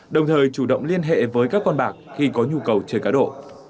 đồng thời chủ động liên hệ với các con bạc khi có nhu cầu chơi cá độ